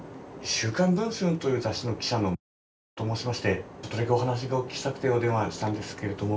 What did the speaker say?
「週刊文春」という雑誌の記者のと申しましてちょっとだけお話がお聞きしたくてお電話したんですけれども。